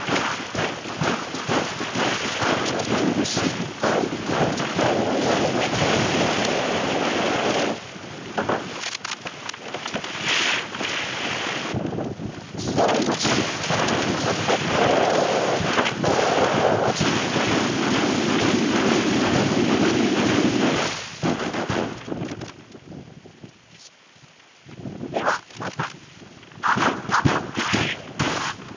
「あらゆるしっぱいのりこえてー」「装置１５３番のマーチ」ではまた。